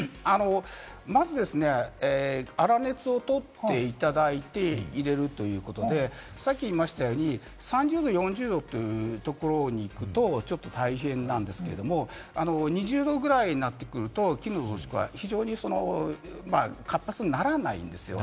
まず粗熱をとっていただいて、入れるということで、さっき言いましたように、３０度、４０度というところに行くとちょっと大変なんですけれども、２０度ぐらいになってくると、菌の増殖が非常に活発にならないんですよね。